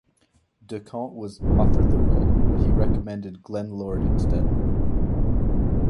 De Camp was offered the role but he recommended Glenn Lord instead.